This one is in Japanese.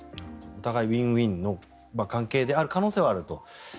お互いウィンウィンの関係の可能性はあると。